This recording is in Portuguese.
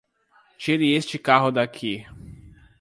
Tire este carro daqui!